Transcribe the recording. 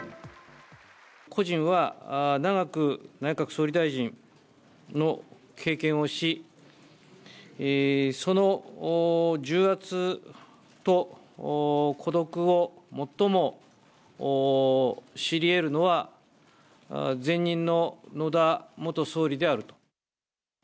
故人は長く内閣総理大臣の経験をし、その重圧と孤独を最も知りえるのは、前任の野田元総理であると。